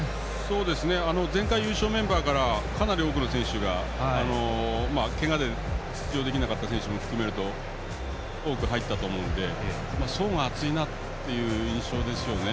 前回優勝メンバーからかなり多くの選手がけがで出場できなかった選手も含めると多く入ったと思うので層が厚いなという印象ですね。